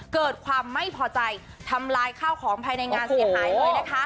เกิดความไม่พอใจทำลายข้าวของภายในงานเสียหายเลยนะคะ